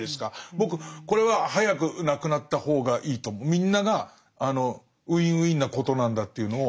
僕これは早くなくなった方がいいとみんながあのＷｉｎ−Ｗｉｎなことなんだっていうのを。